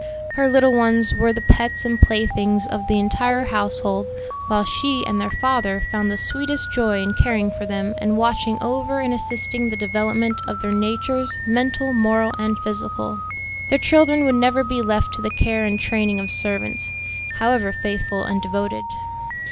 Her little ones were the pets and playthings of the entire household, while she and their father found the sweetest joy in caring for them and watching over and assisting the development of their natures, mental, moral, and physical. Their children would never be left to the care and training of servants, however faithful and devoted.